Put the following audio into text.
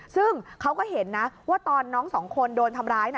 ซึ่งเขาก็เห็นนะว่าตอนน้องสองคนโดนทำร้ายนะ